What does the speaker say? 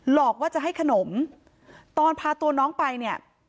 หลอกว่าจะให้ขนมตอนพาตัวน้องไปเนี่ย